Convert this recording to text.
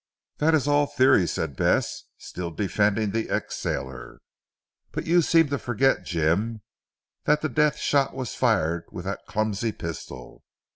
"That is all theory," said Bess still defending the ex sailor, "but you seem to forget Jim that the death shot was fired with that clumsy pistol.